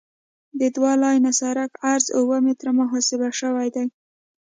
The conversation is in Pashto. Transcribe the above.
د دوه لاین سرک عرض اوه متره محاسبه شوی دی